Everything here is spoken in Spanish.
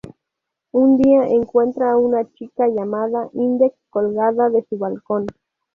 Un día encuentra a una chica llamada Index colgada de su balcón.